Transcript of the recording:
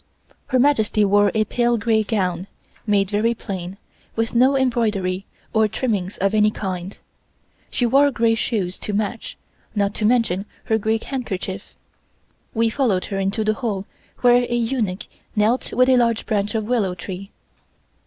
Her Majesty wore a pale gray gown, made very plain, with no embroidery or trimmings of any kind. She wore gray shoes to match, not to mention her gray handkerchief. We followed her into the hall where a eunuch knelt with a large branch of willow tree.